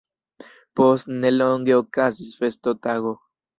Post nelonge okazis festotago.